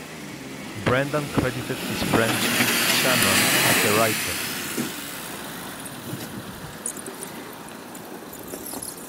Brendan credited his friend Dicky Shannon as the writer.